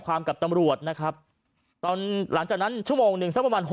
กับตำรวจนะครับตอนหลังจากนั้นชั่วโมงหนึ่งสักประมาณหก